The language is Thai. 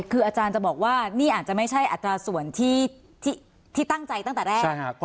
คืออาจารย์จะบอกว่านี่อาจจะไม่ใช่อัตราส่วนที่ตั้งใจตั้งแต่แรก